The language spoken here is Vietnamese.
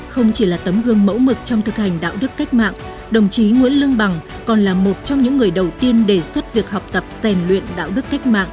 không chỉ là tấm gương mẫu mực trong thực hành đạo đức cách mạng đồng chí nguyễn lương bằng còn là một trong những người đầu tiên đề xuất việc học tập rèn luyện đạo đức cách mạng